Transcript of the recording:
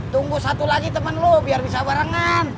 tunggu satu lagi teman lo biar bisa barengan